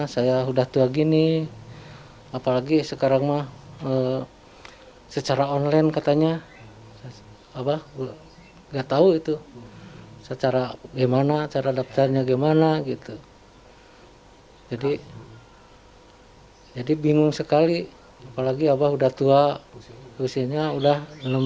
secara gimana cara dapetannya gimana gitu jadi jadi bingung sekali apalagi abah udah tua usianya udah enam puluh satu